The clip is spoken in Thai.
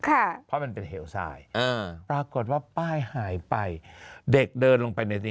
ค่ะเพราะมันเป็นเหวทรายอ่าปรากฏว่าป้ายหายไปเด็กเดินลงไปในนี้